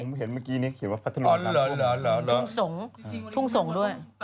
ผมเห็นเมื่อกี้นัยคิดว่าพัฒนาปรากฟุมทุ่งสงด้วย